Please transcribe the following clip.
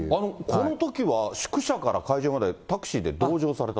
このときは宿舎から会場までタクシーで同乗された？